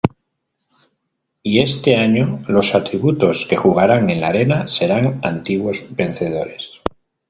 Y este año los tributos que jugarán en la arena serán antiguos vencedores.